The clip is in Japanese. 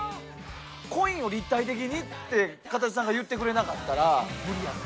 コインを立体的にってカタチさんが言ってくれなかったら無理やった。